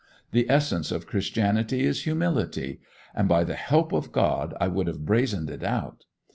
The essence of Christianity is humility, and by the help of God I would have brazened it out.